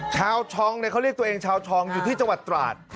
ชองเขาเรียกตัวเองชาวชองอยู่ที่จังหวัดตราด